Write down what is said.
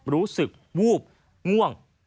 รู้สึกวูบง่วง